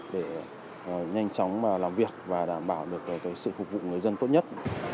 để nhanh chóng làm việc và đảm bảo được sự phục vụ người dân tốt nhất